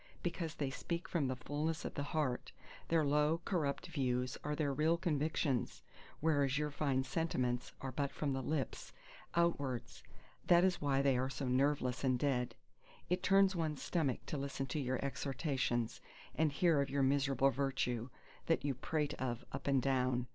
Because they speak from the fulness of the heart—their low, corrupt views are their real convictions: whereas your fine sentiments are but from the lips, outwards; that is why they are so nerveless and dead. It turns one's stomach to listen to your exhortations, and hear of your miserable Virtue, that you prate of up and down.